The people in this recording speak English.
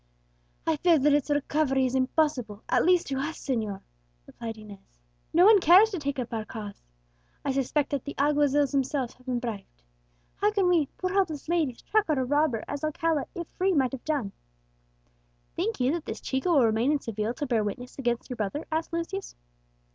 "I fear that its recovery is impossible at least to us, señor," replied Inez. "No one cares to take up our cause. I suspect that the alguazils themselves have been bribed. How can we, poor helpless ladies, track out a robber, as Alcala, if free, might have done?" "Think you that this Chico will remain in Seville to bear witness against your brother?" asked Lucius.